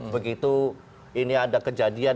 begitu ini ada kejadian